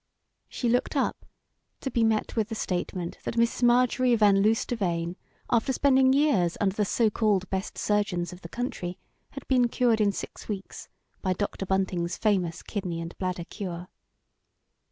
She looked up to be met with the statement that Mrs. Marjory Van Luce De Vane, after spending years under the so called best surgeons of the country, had been cured in six weeks by Dr. Bunting's Famous Kidney and Bladder Cure.